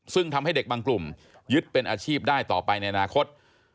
ซึ่งทำให้เด็กบางกลุ่มยึดเป็นอาชีพได้ต่อไปในอนาคต